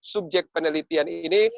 subjek penelitian ini